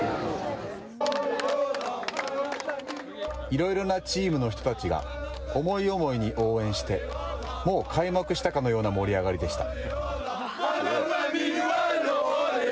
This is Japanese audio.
いろいろなチームの人たちが思い思いに応援してもう開幕したかのような盛り上がりでした。